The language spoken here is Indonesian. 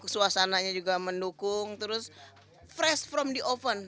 suasananya juga mendukung terus fresh from the oven